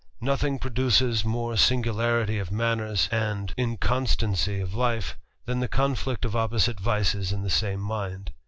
Nothing produces more singularity of manners, and 202 THE RAMBLER. inconstancy of life, than the conflict of opposite vices in the same mind.